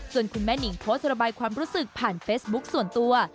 ส่วนคุณแม่นิงโพสต์ระบายความรู้สึกผ่านเฟซบุ๊คส่วนตัว